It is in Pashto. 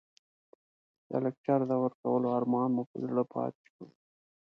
د لکچر د ورکولو ارمان مو په زړه پاتې شو.